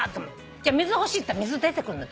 じゃあ水欲しいって言ったら水出てくんの？